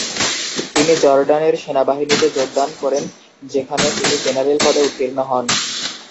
তিনি জর্ডানের সেনাবাহিনীতে যোগদান করেন যেখানে তিনি জেনারেল পদে উত্তীর্ণ হন।